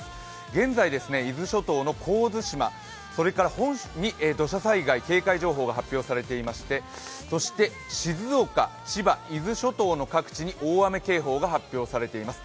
現在、伊豆諸島の神津島に土砂災害警戒情報が発表されていまして、静岡、千葉、伊豆諸島の各地に大雨警報が発表されています。